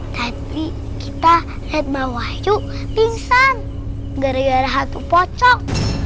tadi kita liat mbak wayu pingsan gara gara hatu pocok